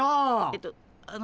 えとあの。